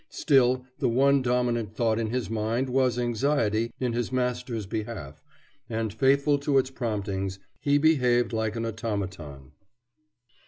Still, the one dominant thought in his mind was anxiety in his master's behalf, and, faithful to its promptings, he behaved like an automaton.